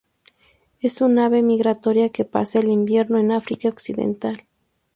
Es un ave migratoria que pasa el invierno en África occidental.